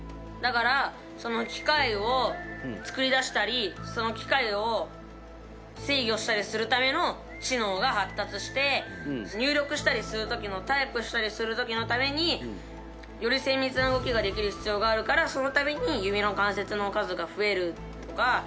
だからその機械を作り出したりその機械を制御したりするための知能が発達して入力したりする時のタイプしたりする時のためにより精密な動きができる必要があるからそのために指の関節の数が増えるとか。